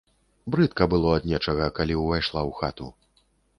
Брыдка было ад нечага, калі ўвайшла ў хату.